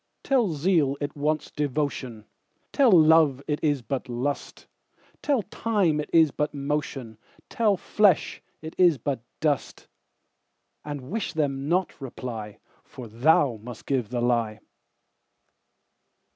Tell zeal it wants devotion; Tell love it is but lust; Tell time it is but motion; Tell flesh it is but dust:And wish them not reply, For thou must give the lie.